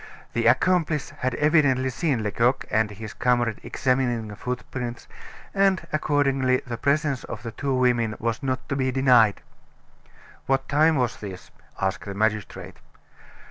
The accomplice had evidently seen Lecoq and his comrade examining the footprints, and accordingly the presence of the two women was not to be denied. "What time was this?" asked the magistrate.